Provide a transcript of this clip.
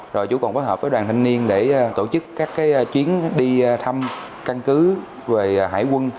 rồi chú còn phối hợp với đoàn thanh niên để tổ chức các chuyến đi thăm căn cứ về hải quân